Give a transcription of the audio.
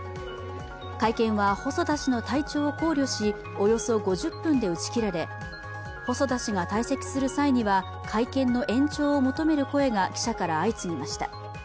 会見は、細田氏の体調を考慮しおよそ５０分で打ち切られ細田氏が退席する際には、会見の延長を求める声が記者から相次ぎました。